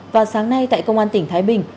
vào sáng nay tại công an tỉnh thái bình